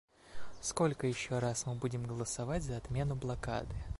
Сколько еще раз мы будем голосовать за отмену блокады?